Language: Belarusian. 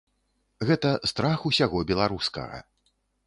Гэта страх усяго беларускага.